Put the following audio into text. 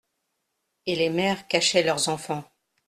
Et les mères cachaient leurs enfants.